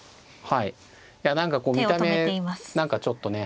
はい何かこう見た目何かちょっとね